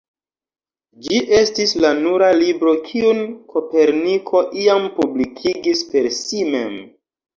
Ĝi estis la nura libro kiun Koperniko iam publikigis per si mem.